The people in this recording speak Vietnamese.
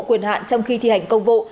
quyền hạn trong khi thi hành công vụ